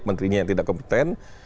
menterinya yang tidak kompeten